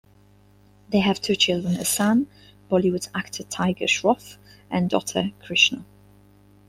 They have two children, a son, Bollywood actor Tiger Shroff and daughter, Krishna.